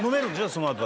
そのあと。